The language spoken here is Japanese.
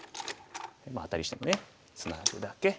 まあアタリしてもねツナぐだけ。